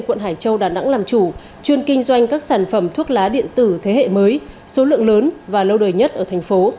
quận hải châu đà nẵng làm chủ chuyên kinh doanh các sản phẩm thuốc lá điện tử thế hệ mới số lượng lớn và lâu đời nhất ở thành phố